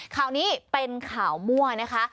ข่าวนี้เป็นข่าวมั่วนะคะ